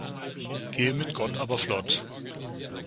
Gehe mit Gott, aber flott!